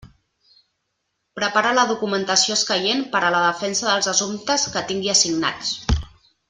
Prepara la documentació escaient per a la defensa dels assumptes que tingui assignats.